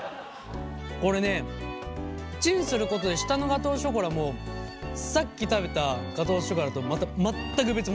これねチンすることで下のガトーショコラもさっき食べたガトーショコラとまた全く別物。